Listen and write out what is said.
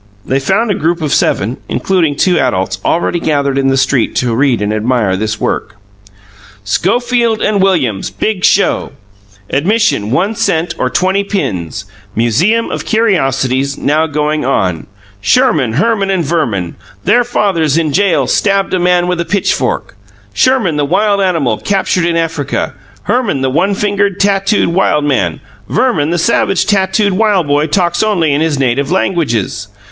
They found a group of seven, including two adults, already gathered in the street to read and admire this work. SCHoFiELD & WiLLiAMS BiG SHOW ADMiSSioN 1 CENT oR 20 PiNS MUSUEM oF CURioSiTES Now GoiNG oN SHERMAN HERMAN & VERMAN THiER FATHERS iN JAiL STABED A MAN WiTH A PiTCHFORK SHERMAN THE WiLD ANIMAL CAPTURED iN AFRiCA HERMAN THE ONE FiNGERED TATOOD WILD MAN VERMAN THE SAVAGE TATOOD WILD BoY TALKS ONLY iN HiS NAiTiVE LANGUAGS.